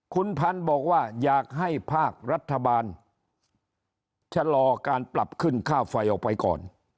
คุณพันธุ์บอกว่าอยากให้ภาครัฐบาลชะลอการปรับขึ้นค่าไฟออกไปก่อน